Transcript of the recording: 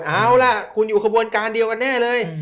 เอาล่ะคุณอยู่ขบวนการเดียวกันแน่เลย